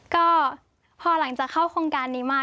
ก็พอหลังจากเข้าโครงการนี้มา